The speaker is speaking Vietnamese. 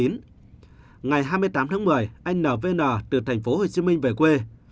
ngày hai mươi tám tháng một mươi anh nvn từ thành phố hồ chí minh về quê